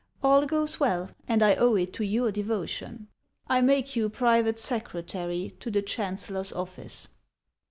All goes well, and I owe it to your devotion. I make you private secretary to the chancellor's office."